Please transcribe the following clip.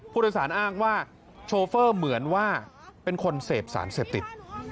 ผู้โดยสารอ้างว่าโชเฟอร์เหมือนว่าเป็นคนเสพสารเสพติด